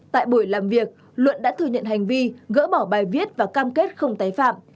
tại buổi làm việc luận đã thừa nhận hành vi gỡ bỏ bài viết và cam kết không tái phạm